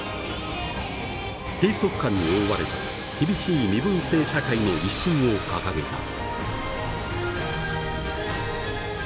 閉塞感に覆われた厳しい身分制社会の一新を掲げた。